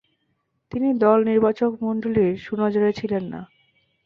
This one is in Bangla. তিনি দল নির্বাচকমণ্ডলীর সুনজরে ছিলেন না।